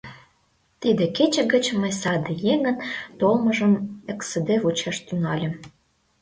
Тиде кече гыч мый саде еҥын толмыжым эксыде вучаш тӱҥальым.